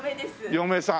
嫁さん。